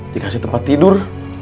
dikasih tempat tidur